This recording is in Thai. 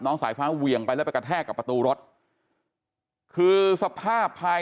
สายฟ้าเหวี่ยงไปแล้วไปกระแทกกับประตูรถคือสภาพภาย